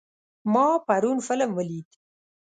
ما پرون فلم ولید.